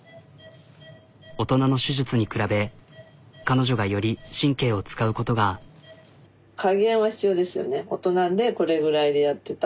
大人の手術に比べ彼女がより神経を使うことが。とか。